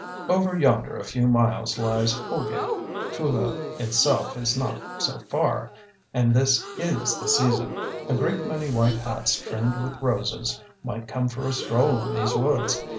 Over yonder a few miles lies Houlgate. Trouville itself is not so far, and this is the season. A great many white hats trimmed with roses might come for a stroll in these woods.